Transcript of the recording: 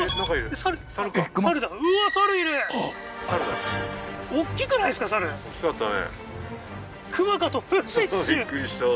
猿大きかったね